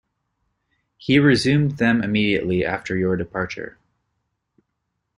He resumed them immediately after your departure.